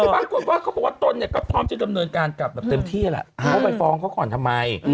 บางคนว่าเขาบอกว่าตนก็พร้อมจะดำเนินการกลับเต็มที่แหละเพราะไปฟองเขาก่อนทำไม